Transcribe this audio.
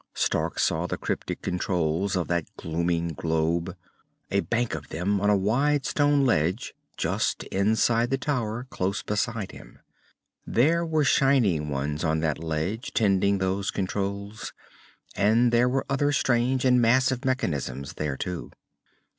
Stark saw the cryptic controls of that glooming globe a bank of them, on a wide stone ledge just inside the tower, close beside him. There were shining ones on that ledge tending those controls, and there were other strange and massive mechanisms there too.